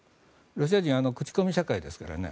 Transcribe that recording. ロシア人は口コミ社会ですからね。